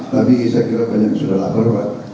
tapi saya kira banyak yang sudah lapar